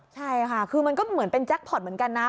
ใช่ค่ะคือมันก็เหมือนเป็นแจ็คพอร์ตเหมือนกันนะ